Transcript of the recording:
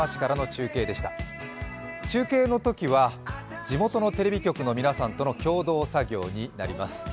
中継のときは地元のテレビ局の皆さんとの共同作業になります。